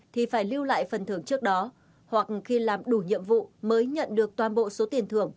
thì phải lưu lại phần thưởng trước đó hoặc khi làm đủ nhiệm vụ mới nhận được toàn bộ số tiền thưởng